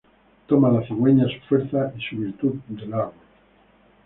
Toma la cigüeña su fuerza y su virtud del árbol.